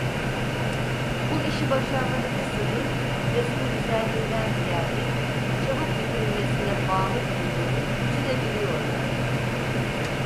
Bu işi başarmadaki sırrın, resmin güzelliğinden ziyade çabuk bitirilmesine bağlı bulunduğunu üçü de biliyorlardı.